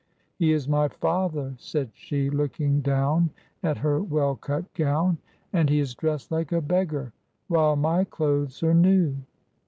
" He is my father !" said she, looking down at her well cut gown ;" and he is dressed like a beggar, while my clothes are new."